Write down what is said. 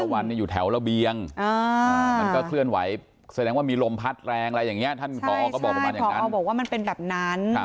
มันก็เคลื่อนไหวแสดงว่ามีลมพัดแรงอะไรอย่างงี้